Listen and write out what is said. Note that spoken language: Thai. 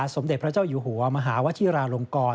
สมเด็จพระเจ้าอยู่หัวมหาวชิราลงกร